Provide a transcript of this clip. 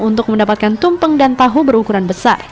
untuk mendapatkan tumpeng dan tahu berukuran besar